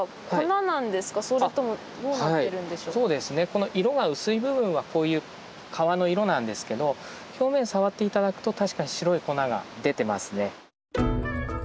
この色が薄い部分はこういう皮の色なんですけど表面触って頂くと確かに白い粉が出てますね。